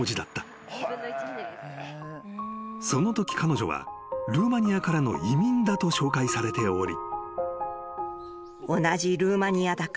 ［そのとき彼女はルーマニアからの移民だと紹介されており］